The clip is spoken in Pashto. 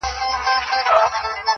له چینې به دي ساړه سیوري ټولیږي -